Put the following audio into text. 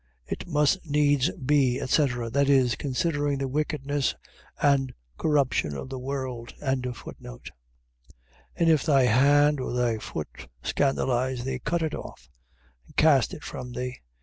It must needs be, etc. . .Viz., considering the wickedness and corruption of the world. 18:8. And if thy hand, or thy foot, scandalize thee, cut it off, and cast it from thee.